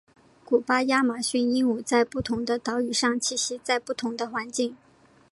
古巴亚马逊鹦鹉在不同的岛屿上栖息在不同的环境。